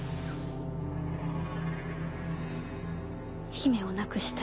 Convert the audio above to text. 姫を亡くした